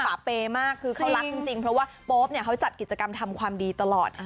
ป่าเปย์มากคือเขารักจริงเพราะว่าโป๊ปเนี่ยเขาจัดกิจกรรมทำความดีตลอด